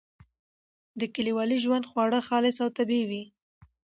د کلیوالي ژوند خواړه خالص او طبیعي وي.